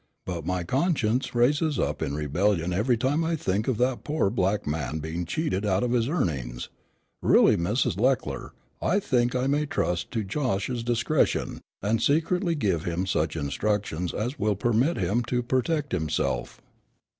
But my conscience rises up in rebellion every time I think of that poor black man being cheated out of his earnings. Really, Mrs. Leckler, I think I may trust to Josh's discretion, and secretly give him such instructions as will permit him to protect himself."